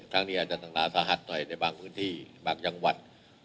ครั้งนี้อาจจะสำคัญสะฮัดซะในบางพื้นที่แบบยังวรรศ์